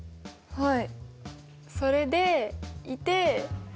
はい。